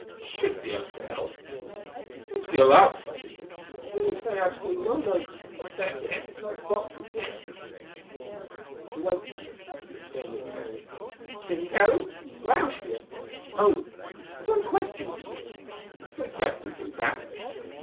"He should be able to help. As for your last question, I can only say I've seen no notice of the theft of any such box as this." He waited an instant and then he was saying, "Sintelli?... Lausch here. Tony, I've got a question for you—three questions, in fact.